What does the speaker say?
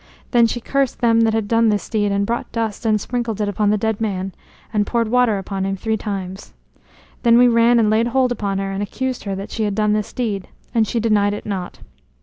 Then she cursed them that had done this deed, and brought dust and sprinkled it upon the dead man, and poured water upon him three times. Then we ran and laid hold upon her and accused her that she had done this deed; and she denied it not.